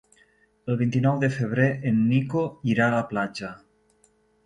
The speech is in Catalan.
El vint-i-nou de febrer en Nico irà a la platja.